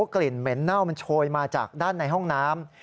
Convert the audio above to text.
กลิ่นเหม็นเน่ามันโชยมาจากด้านในห้องน้ำ